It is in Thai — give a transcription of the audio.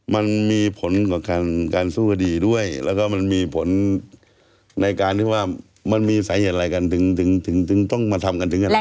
มันมีผลต่อการสู้คดีด้วยแล้วก็มันมีผลในการที่ว่ามันมีสาเหตุอะไรกันถึงต้องมาทำกันถึงขนาดนี้